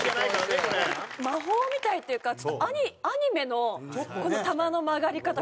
魔法みたいっていうかちょっとアニメの球の曲がり方みたいですよね。